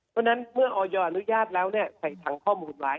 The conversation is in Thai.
เพราะฉะนั้นเมื่อออยอนุญาตแล้วใส่ถังข้อมูลร้าย